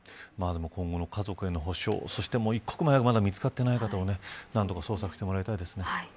今後の家族への補償そして一刻も早くまだ見つかっていな方を何とか捜索してもらいたいですね。